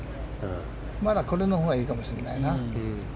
まだこれのほうがいいかもしれないな。